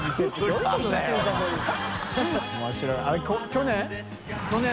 去年？